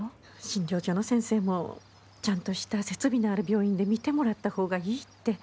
診療所の先生もちゃんとした設備のある病院で診てもらった方がいいって。